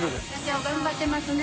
卍頑張ってますね。